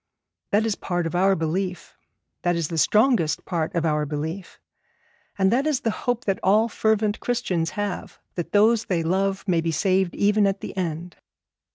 That is part of our belief; that is the strongest part of our belief; and that is the hope that all fervent Christians have, that those they love may be saved even at the end.